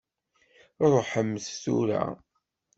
Ṛuḥemt tura.